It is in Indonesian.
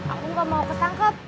aku gak mau ketangkep